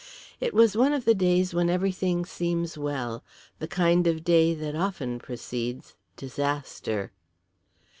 It was one of the days when everything seems well the kind of day that often precedes disaster.